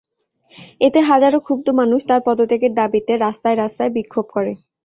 এতে হাজারো ক্ষুব্ধ মানুষ তাঁর পদত্যাগের দাবিতে রাস্তায় রাস্তায় বিক্ষোভ করে।